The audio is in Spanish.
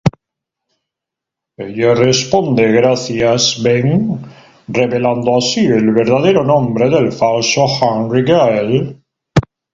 Ella responde "Gracias, Ben", revelando así el verdadero nombre del falso Henry Gale.